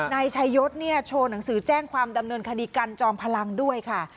นายชายศเนี่ยโชว์หนังสือแจ้งความดำเนินคดีกันจอมพลังด้วยค่ะ